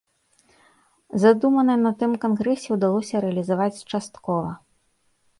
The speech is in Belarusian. Задуманае на тым кангрэсе ўдалося рэалізаваць часткова.